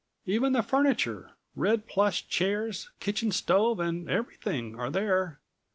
Even the furniture, red plush chairs, kitchen stove and everything, are there.